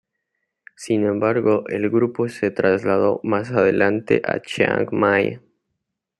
Sin embargo, el grupo se trasladó, más adelante, a Chiang Mai.